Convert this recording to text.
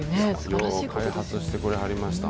よう開発してくれはりました。